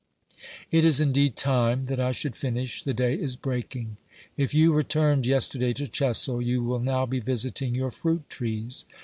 It is indeed time that I should finish ; the day is breaking. If you returned yesterday to Chessel, you will now be visiting your fruit trees.